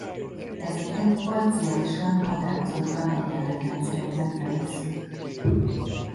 Ezeket parciálisan határozatlan egyenletrendszereknek nevezzük.